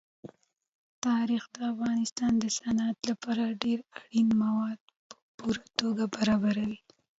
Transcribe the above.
تاریخ د افغانستان د صنعت لپاره ډېر اړین مواد په پوره توګه برابروي.